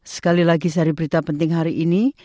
sekali lagi cari berita penting hari ini